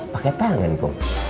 pakai pangan kom